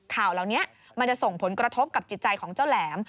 ข่าวเหล่านี้มันจะส่งผลกระทบกับจิตใจของเจ้าแหลม